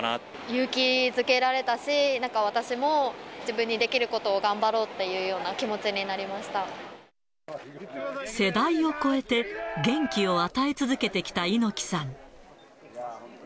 勇気づけられたし、なんか私も、自分にできることを頑張ろうっていうような気持ちになりまし世代を超えて元気を与え続けてきた猪木さん。